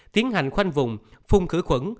tiến hành khoanh vùng phung khử khuẩn